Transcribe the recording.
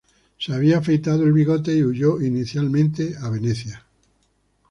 Se había afeitado el bigote y huyó inicialmente a Venecia.